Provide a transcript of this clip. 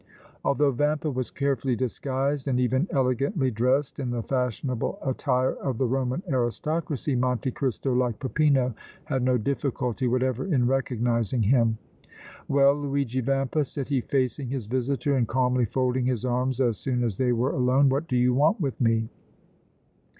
Although Vampa was carefully disguised and even elegantly dressed in the fashionable attire of the Roman aristocracy, Monte Cristo, like Peppino, had no difficulty whatever in recognizing him. "Well, Luigi Vampa!" said he, facing his visitor and calmly folding his arms as soon as they were alone. "What do you want with me?"